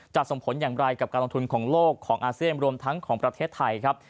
ส่งผลอย่างไรกับการลงทุนของโลกของอาเซียนรวมทั้งของประเทศไทยครับ